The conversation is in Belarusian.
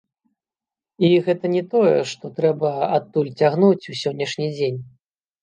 І гэта не тое, што трэба адтуль цягнуць у сённяшні дзень.